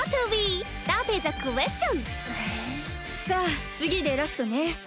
さあ次でラストね。